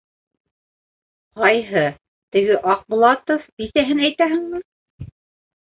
- Ҡайһы, теге Аҡбулатов бисәһен әйтәһеңме?